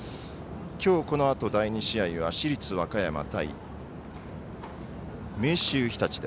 きょう、このあと第２試合は市立和歌山対明秀日立。